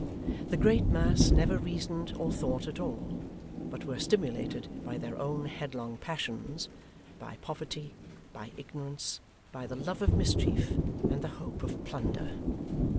The great mass never reasoned or thought at all, but were stimulated by their own headlong passions, by poverty, by ignorance, by the love of mischief, and the hope of plunder.